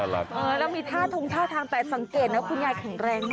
แล้วมีท่าทงท่าทางแต่สังเกตนะคุณยายแข็งแรงมาก